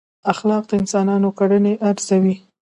اخلاق د انسانانو کړنې ارزوي.